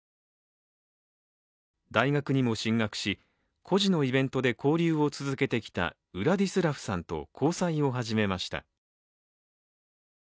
大学にも進学し、孤児のイベントで交流を続けてきたウラディスラフさんと交際を始めました。